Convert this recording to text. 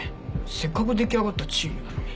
せっかく出来上がったチームなのに。